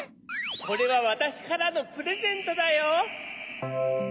・これはわたしからのプレゼントだよ。